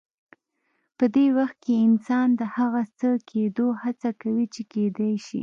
په دې وخت کې انسان د هغه څه کېدو هڅه کوي چې کېدای شي.